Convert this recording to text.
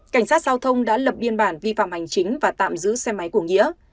cảnh sát giao thông đã lập biên bản vi phạm hành chính và tạm giữ xe máy của nghĩa